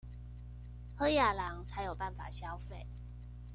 好野人才有辦法消費